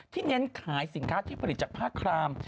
เน้นขายสินค้าที่ผลิตจากผ้าคราม